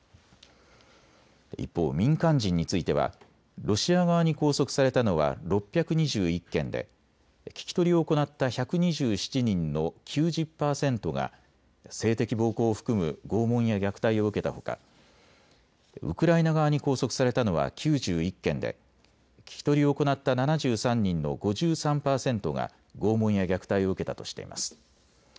一方、民間人についてはロシア側に拘束されたのは６２１件で聞き取りを行った１２７人の９０％が性的暴行を含む拷問や虐待を受けたほか、ウクライナ側に拘束されたのは９１件で聞き取りを行った７３人の５３％が拷問や虐待を受けたとしています。